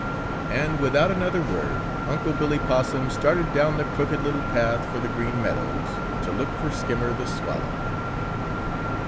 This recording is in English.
And without another word Unc' Billy Possum started down the Crooked Little Path for the Green Meadows to look for Skimmer the Swallow.